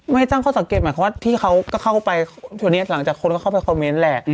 ตั้งข้อสังเกตหมายความว่าที่เขาก็เข้าไปทีนี้หลังจากคนก็เข้าไปคอมเมนต์แหละ